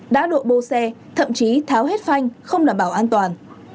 đã đội bô xe thậm chí tháo hết phanh không đảm bảo an toàn